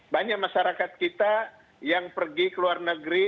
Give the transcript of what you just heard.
banyak masyarakat kita yang pergi ke luar negeri